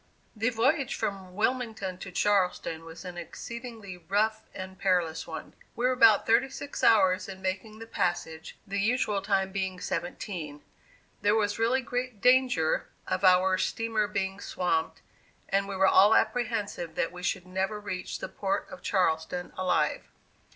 The voyage from Wilmington to Charleston was an exceedingly rough and perilous one. We were about thirty six hours in making the passage, the usual time being seventeen. There was really great danger of our steamer being swamped, and we were all apprehensive that we should never reach the Port of Charleston alive.